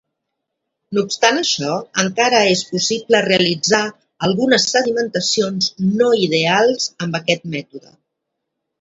No obstant això, encara és possible realitzar algunes sedimentacions no ideals amb aquest mètode.